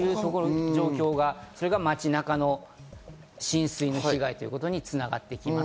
それが街中の浸水の被害ということに繋がってきます。